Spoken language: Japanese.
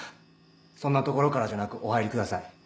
そんな所からじゃなくお入りください。